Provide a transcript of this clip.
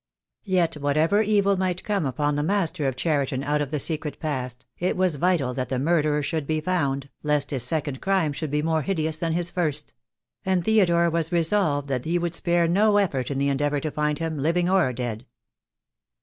Yet, whatever evil might come upon the master of Cheri ton out of the secret past, it was vital that the murderer should be found, lest his second crime should be more hideous than his first; and Theodore was resolved that he would spare no effort in the endeavour to find him, living or dead.